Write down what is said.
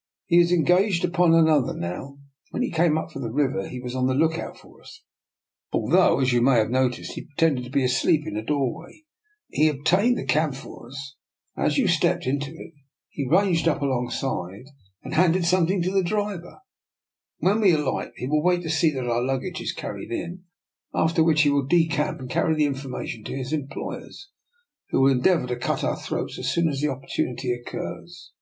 "" He is engaged upon another now. When he came up from the river he was on the lookout for us, although as you may have noticed, he pretended to be asleep in a door way. He obtained the cab for us, and as you stepped into it he ranged up alongside and DR. NIKOLA'S EXPERIMENT. 139 handed something to the driver. When we alight he will wait to see that our luggage is carried in, after which he will decamp and carry the information to his employers, who will endeavour to cut our throats as soon as the opportunity occurs."